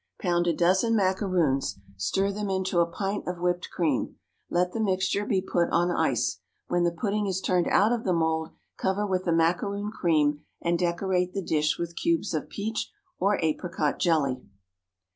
Pound a dozen macaroons; stir them into a pint of whipped cream; let the mixture be put on ice. When the pudding is turned out of the mould, cover with the macaroon cream, and decorate the dish with cubes of peach or apricot jelly.